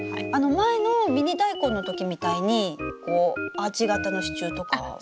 前のミニダイコンの時みたいにアーチ型の支柱とかは。